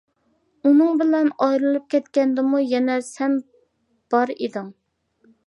ئۇنىڭ بىلەن ئايرىلىپ كەتكەندىمۇ يەنە سەن بار ئىدىڭ.